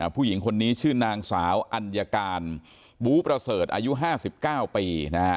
ผู้หญิงคนนี้ชื่อนางสาวอัญการบูประเสริฐอายุ๕๙ปี